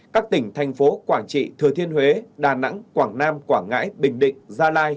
các tỉnh thành phố quảng trị thừa thiên huế đà nẵng quảng nam quảng ngãi bình định gia lai